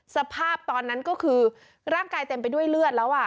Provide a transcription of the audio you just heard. สภาพตอนนั้นก็คือร่างกายเต็มไปด้วยเลือดแล้ว